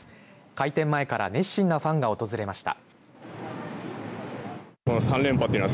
開店前から熱心なファンが訪れました。